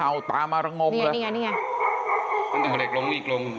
หาวตามมารงม